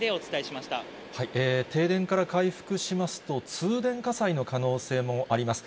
停電から回復しますと、通電火災の可能性もあります。